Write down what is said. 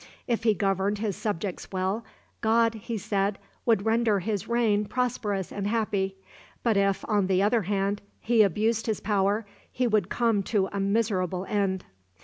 If he governed his subjects well, God, he said, would render his reign prosperous and happy; but if, on the other hand, he abused his power, he would come to a miserable end.